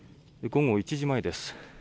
午後１時前です。